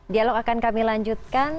dialog akan kami lanjutkan